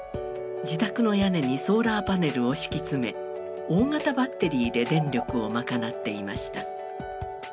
自宅の屋根にソーラーパネルを敷き詰め大型バッテリーで電力を賄っていました。